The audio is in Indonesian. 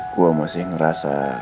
gue masih ngerasa